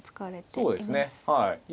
そうですねはい。